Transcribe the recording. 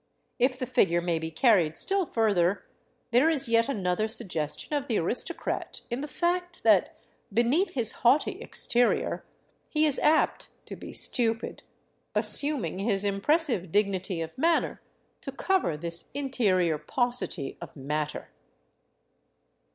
If the figure may be carried still further, there is yet another sugges tion of the aristocrat in the fact that, beneath his haughty exterior, he is apt to be stupid, assuming his impressive dignity of manner to cover this interior paucity of matter.